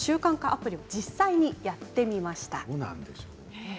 アプリを実際にやってみました。